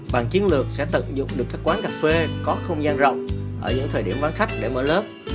bằng chiến lược sẽ tận dụng được các quán cà phê có không gian rộng ở những thời điểm bán khách để mở lớp